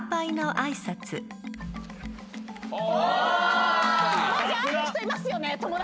ああいう人いますよね！